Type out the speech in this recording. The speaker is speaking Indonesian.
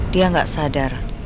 dia gak sadar